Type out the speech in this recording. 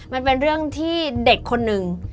มันเป็นเรื่องที่เด็กคนหนึ่ง